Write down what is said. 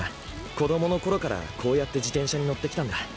子どものころから、こうやって自転車に乗ってきたんだ。